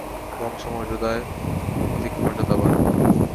বংশ মর্যাদায় অধিক মর্যাদাবান।